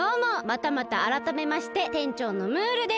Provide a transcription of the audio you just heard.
またまたあらためましててんちょうのムールです！